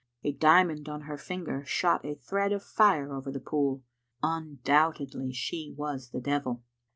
A diamond on her finger shot a thread of fire over the pool. Undoubtedly she was the devil.